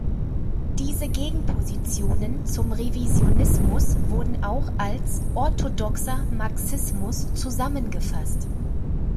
Diese Gegenpositionen zum Revisionismus wurden auch als „orthodoxer Marxismus“ zusammengefasst.